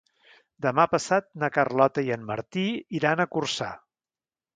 Demà passat na Carlota i en Martí iran a Corçà.